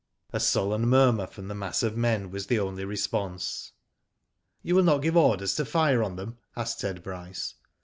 • A sullen murmur from the mass of men was the only response. *' You will not give orders to fire on them ?" asked Ted Bryce.